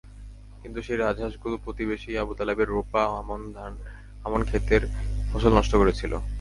কিন্তু সেই রাজহাঁসগুলো প্রতিবেশী আবু তালেবের রোপা আমন খেতের ফসল নষ্ট করছিল।